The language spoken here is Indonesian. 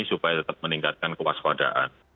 supaya tetap meningkatkan kewaspadaan